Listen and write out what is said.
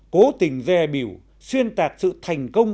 cố tình dè biểu xuyên tạc sự thành công